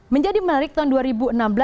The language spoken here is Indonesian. menjadi menarik tahun dua ribu enam belas